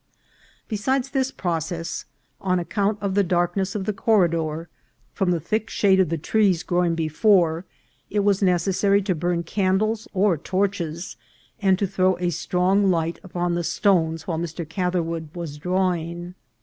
Besides this process, on account of the darkness of the corridor, from the thick shade of the trees growing before it, it was necessary to burn candles or torches, and to throw a strong light upon the stones while Mr. Catherwood was drawing.